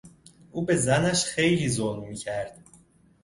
او به زنش خیلی ظلم میکرد.